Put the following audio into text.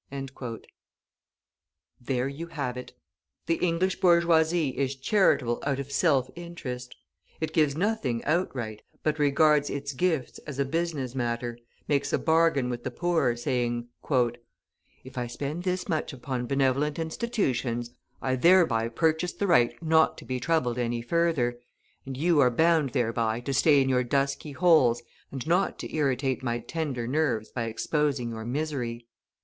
There you have it! The English bourgeoisie is charitable out of self interest; it gives nothing outright, but regards its gifts as a business matter, makes a bargain with the poor, saying: "If I spend this much upon benevolent institutions, I thereby purchase the right not to be troubled any further, and you are bound thereby to stay in your dusky holes and not to irritate my tender nerves by exposing your misery.